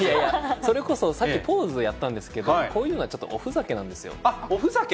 それこそさっきポーズをやったんですけれども、こういうのはちょっとおふざけなんですよ。おふざけ？